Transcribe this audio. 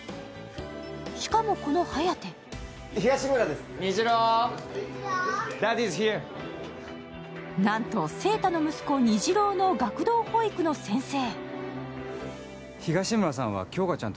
しかも、この颯なんと、晴太の息子、虹朗の学童保育の先生。